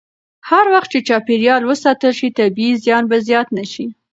هر وخت چې چاپېریال وساتل شي، طبیعي زیان به زیات نه شي.